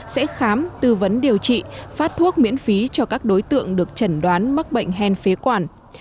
sẽ khám tư vấn điều trị phát thuốc miễn phí cho các đối tượng được chẩn đoán mắc bệnh hen phế quản